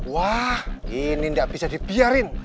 wah ini tidak bisa dibiarin